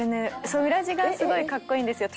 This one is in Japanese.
その裏地がすごい格好いいんですよ。